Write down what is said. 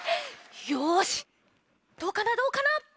よしどうかなどうかな。